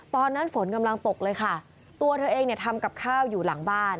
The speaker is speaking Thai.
ตอนนั้นฝนกำลังตกเลยค่ะตัวเธอเองเนี่ยทำกับข้าวอยู่หลังบ้าน